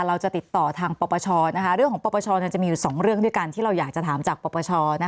เราจะติดต่อทางปปชเรื่องของปปชจะมีอยู่๒เรื่องด้วยกันที่เราอยากจะถามจากปปช